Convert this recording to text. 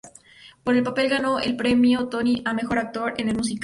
Por el papel ganó el Premio Tony al Mejor Actor en un Musical.